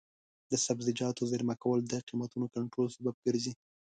د سبزیجاتو زېرمه کول د قیمتونو کنټرول سبب ګرځي.